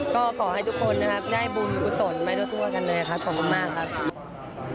ก็ขอให้ทุกคนได้บุญทุกข์ส่วนใหม่รั่วกันเลยขอบคุณมากครับ